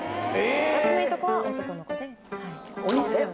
私のいとこは男の子で。